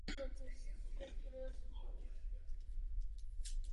Vedoucí důstojník Sulu musí zároveň čelit útoku cizího plavidla na oběžné dráze planety.